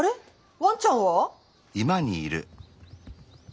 ワンちゃんは？